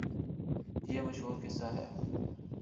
یہ مشہورقصہ ہے۔